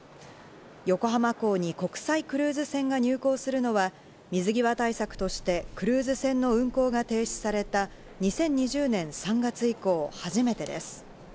横浜港に国際クルーズ船が入港するのは水際対策としてクルーズ船の運航が停止された２０２０年３月以降、初めてです。